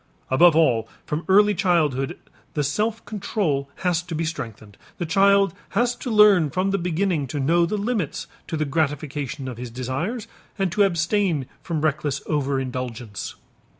Above all, from early childhood the self control has to be strengthened, the child has to learn from the beginning to know the limits to the gratification of his desires and to abstain from reckless over indulgence.